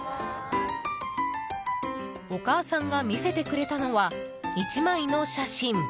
お母さんが見せてくれたのは１枚の写真。